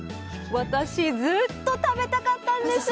私、ずっと食べたかったんです！